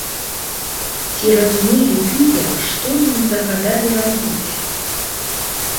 Ці разумелі тыя, што ім загадалі рабіць?